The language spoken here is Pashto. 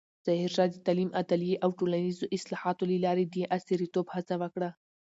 ظاهرشاه د تعلیم، عدلیې او ټولنیزو اصلاحاتو له لارې د عصریتوب هڅه وکړه.